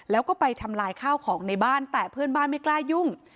แล้วก็ไปทำลายข้าวของในบ้านแต่เพื่อนบ้านไม่กล้ายุ่ง